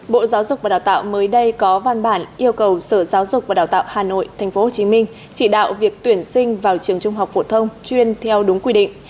bộ giáo dục và đào tạo mới đây có văn bản yêu cầu sở giáo dục và đào tạo hà nội tp hcm chỉ đạo việc tuyển sinh vào trường trung học phổ thông chuyên theo đúng quy định